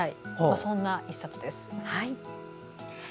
そんな１冊です。